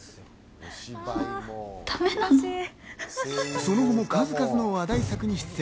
その後も数々の話題作に出演。